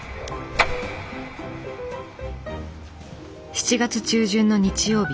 ７月中旬の日曜日。